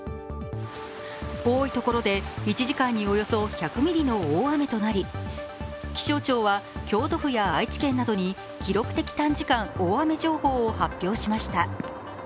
多いところで１時間におよそ１００ミリの大雨となり気象庁は、京都府や愛知県などに記録的短時間大雨情報を発表しました。